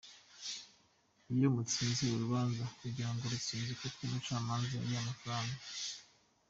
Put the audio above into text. Iyo mutsinze urubanza ugirango urutsinze kuko umucamanza yariye amafaranga.